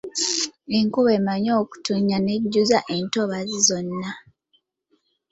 Enkuba emanyi okutonnya n'ejjuza n'entobazi zonna.